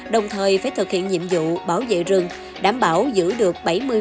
đồng thời phải thực hiện nhiệm vụ bảo vệ rừng đảm bảo giữ được